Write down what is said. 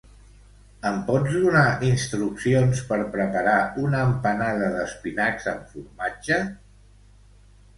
Em pots donar instruccions per preparar una empanada d'espinacs amb formatge?